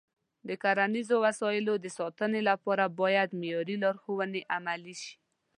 د کرنیزو وسایلو د ساتنې لپاره باید معیاري لارښوونې عملي شي.